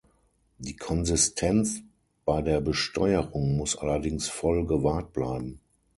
Die Konsistenz bei der Besteuerung muss allerdings voll gewahrt bleiben.